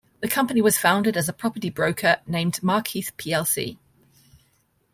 The company was founded as a property broker named Markheath plc.